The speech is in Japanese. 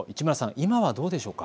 今はどうでしょうか。